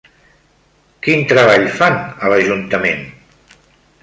Quin treball fan a l'Ajuntament?